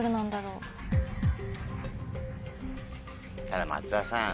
ただ松田さん。